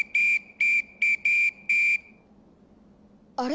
あれ？